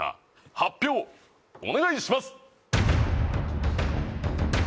発表お願いします